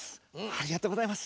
ありがとうございます。